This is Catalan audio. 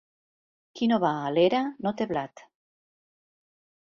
Qui no va a l'era no té blat.